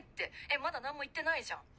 えっまだなんも言ってないじゃん。